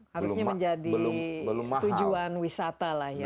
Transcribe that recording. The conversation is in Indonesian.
harusnya menjadi tujuan wisata lah ya